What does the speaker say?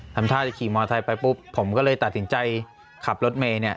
ทำท่าจะขี่มอไทยไปปุ๊บผมก็เลยตัดสินใจขับรถเมย์เนี่ย